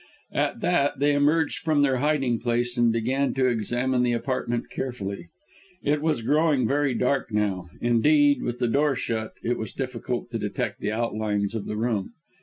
At that, they emerged from their hiding place and began to examine the apartment carefully. It was growing very dark now; indeed with the door shut, it was difficult to detect the outlines of the room.